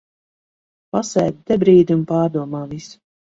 Pasēdi te brīdi un pārdomā visu.